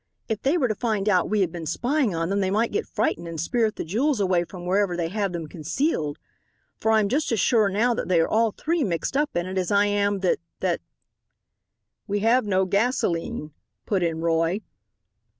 "If they were to find out we had been spying on them they might get frightened and spirit the jewels away from wherever they have them concealed, for I'm just as sure now that they are all three mixed up in it as I am that that " "We have no gasolene," put in Roy.